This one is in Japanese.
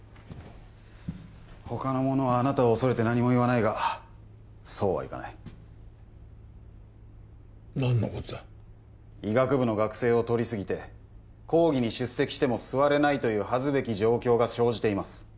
他の者はあなたを恐れて何も言わないがそうはいかない何のことだ医学部の学生をとりすぎて講義に出席しても座れないという恥ずべき状況が生じています